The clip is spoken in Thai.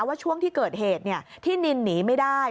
ว่าช่วงที่เกิดเหตุที่นินหนีไม่ได้